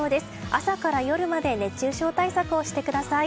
朝から夜まで熱中症対策をしてください。